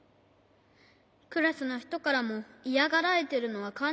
クラスのひとからもイヤがられてるのはかんじてるんだ。